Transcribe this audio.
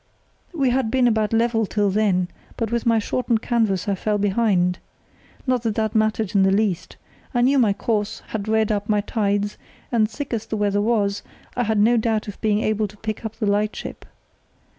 "We had been about level till then, but with my shortened canvas I fell behind. Not that that mattered in the least. I knew my course, had read up my tides, and, thick as the weather was, I had no doubt of being able to pick up the lightship.